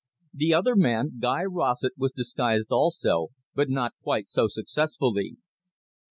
The other man, Guy Rossett, was disguised also, but not quite so successfully.